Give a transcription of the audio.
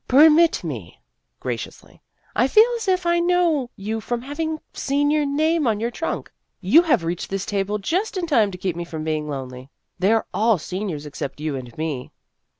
" Permit me," graciously ;" I feel as if I know you from having seen your name on your trunk. You have reached this table just in time to keep me from being lonely. They are all seniors except you and me."